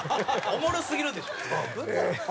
おもろすぎるでしょ。